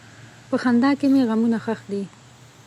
په خندا کې مې غمونه ښخ دي.